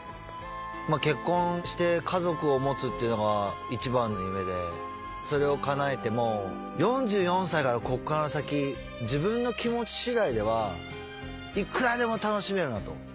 結婚して家族を持つっていうのが一番の夢でそれをかなえても４４歳からここから先自分の気持ち次第ではいくらでも楽しめるなと。